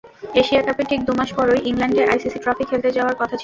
Asia কাপের ঠিক দুমাস পরই ইংল্যান্ডে আইসিসি ট্রফি খেলতে যাওয়ার কথা ছিল।